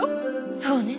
そうね